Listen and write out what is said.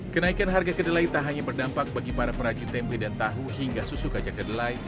kenaikan harga kedelai tak hanya berdampak bagi para perajin tempe dan tahu hingga susu kacang kedelai